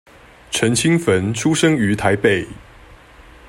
陳清汾出生於台北